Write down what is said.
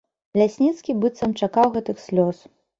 Лясніцкі быццам чакаў гэтых слёз.